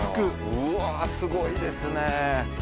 うわすごいですね。